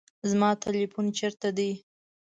زما تلیفون چیرته دی؟